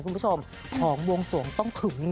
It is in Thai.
คุณผู้ชมของวงสวงต้องถึงจริง